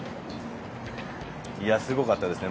すごかったですね。